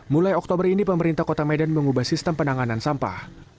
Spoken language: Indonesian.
mulai oktober ini pemerintah kota medan mengubah sistem penanganan sampah